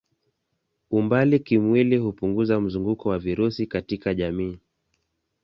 Umbali kimwili hupunguza mzunguko wa virusi katika jamii.